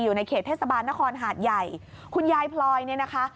อยู่ในเขตเทศบาลนครหาดใหญ่คุณยายพลอยเนี่ยนะคะ